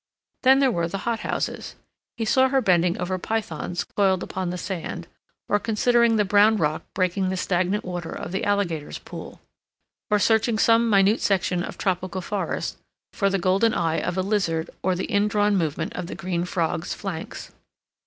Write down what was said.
Then there were the hothouses. He saw her bending over pythons coiled upon the sand, or considering the brown rock breaking the stagnant water of the alligators' pool, or searching some minute section of tropical forest for the golden eye of a lizard or the indrawn movement of the green frogs' flanks.